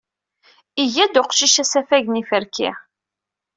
Iga-d uqcic asafag n yiferki.